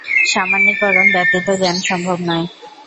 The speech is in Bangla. সামান্যীকরণ ব্যতীত জ্ঞান সম্ভব নয়।